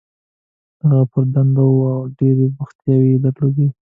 هغه پر دنده وه او ډېرې بوختیاوې یې درلودې.